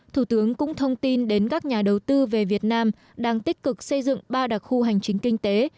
thủ tướng cũng thông tin đến các nhà đầu tư về việt nam đang tích cực xây dựng ba đặc khu hành chính kinh tế